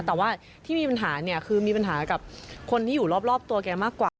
แต่ว่าที่มีปัญหาเนี่ยคือมีปัญหากับคนที่อยู่รอบตัวแกมากกว่า